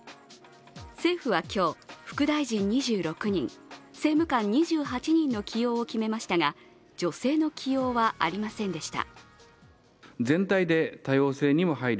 政府は今日、副大臣２６人、政務官２８人の起用を決めましたが女性の起用はありませんでした。